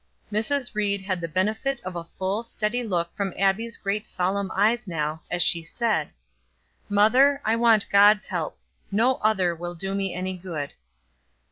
Mrs. Ried had the benefit of a full, steady look from Abbie's great solemn eyes now, as she said: "Mother, I want God's help. No other will do me any good."